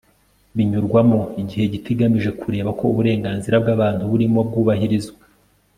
binyurwamo igihe gito igamije kureba ko uburenganzira bw abantu burimo bwubahirizwa